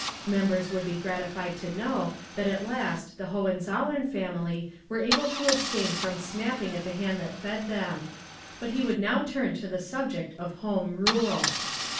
Members would be gratified to know that at last the Hohenzollern family were able to abstain from snapping at the hand that fed them. But he would now turn to the subject of Home Rule.